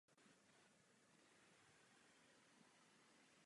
Hypoteční poradenství spadá do oblasti finančního poradenství.